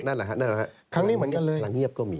นั่นเหรอครับครั้งนี้เหมือนกันเลยพลังเงียบก็มี